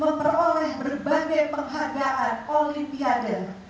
memperoleh berbagai penghargaan olimpiade